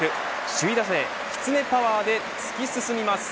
首位打者へ、きつねパワーで突き進みます。